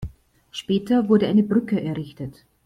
Später wurde eine Brücke errichtet.